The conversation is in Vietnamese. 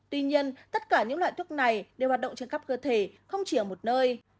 tuy nhiên tất cả những loại thuốc này đều hoạt động trên khắp cơ thể không chỉ ở một nơi